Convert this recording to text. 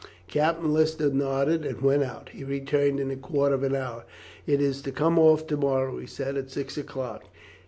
Captain Lister nodded and went out. He returned in a quarter of an hour. "It is to come off to morrow," he said, "at six o'clock.